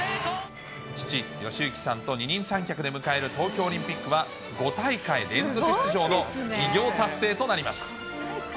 父、善行さんと二人三脚で迎える東京オリンピックは、５大会連続出場の偉業達成となります。